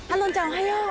おはよう。